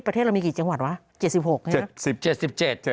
ประเทศเรามีกี่จังหวัดวะ๗๖ใช่ไหมครับ